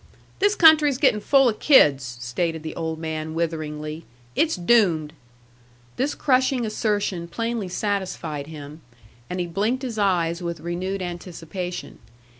"This country's getting full of kids," stated the old man, witheringly. "It's doomed." This crushing assertion plainly satisfied him. And he blinked his eyes with renewed anticipation.